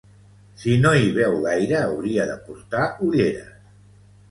Si no hi veu gaire hauria de portar ulleres.